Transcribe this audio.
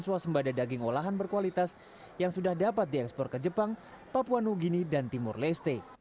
suasembada daging olahan berkualitas yang sudah dapat diekspor ke jepang papua new guinea dan timur leste